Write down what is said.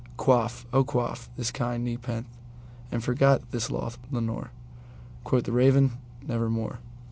Quaff, oh quaff this kind nepenthe, and forget this lost Lenore."Quoth the Raven, "Nevermore."